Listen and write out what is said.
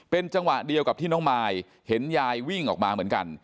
เป็นจังหวะเดียวกับที่น้องมายเห็นยายวิ่งออกมาเหมือนกัน